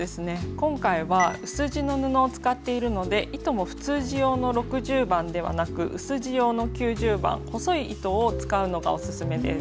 今回は薄地の布を使っているので糸も普通地用の６０番ではなく薄地用の９０番細い糸を使うのがオススメです。